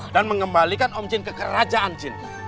dan mengembalikan om jin ke kerajaan jin